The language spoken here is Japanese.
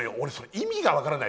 意味が分からない。